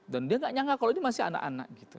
dan dia tidak nyangka kalau ini masih anak anak